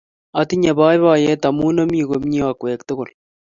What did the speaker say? Atinye poipoiyet amun omi komnye akwek tukul